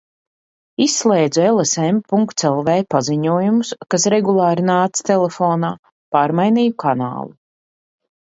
Izslēdzu lsm. lv paziņojumus, kas regulāri nāca telefonā, pārmainīju kanālu.